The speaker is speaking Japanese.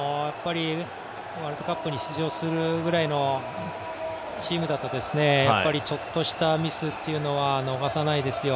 ワールドカップに出場するくらいのチームだとちょっとしたミスというのは逃さないですよ。